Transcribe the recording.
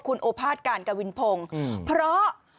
คุณโอภาษการกวินพงศ์เพราะ